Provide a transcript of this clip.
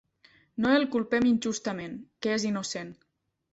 No el culpem injustament, que és innocent.